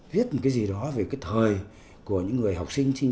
viết một cái gì đó về cái thời của những người học sinh